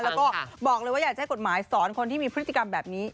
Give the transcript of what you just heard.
แล้วก็บอกเลยว่าอยากจะให้กฎหมายสอนคนที่มีพฤติกรรมแบบนี้